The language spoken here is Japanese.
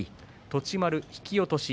栃丸が引き落とし。